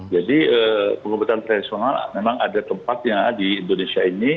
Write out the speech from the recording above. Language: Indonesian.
jadi pengobatan tradisional memang ada tempatnya di indonesia ini